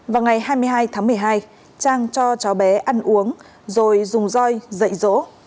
vào ngày hai mươi hai tháng một mươi hai trang cho cháu bé ăn uống rồi dùng roi dậy rỗ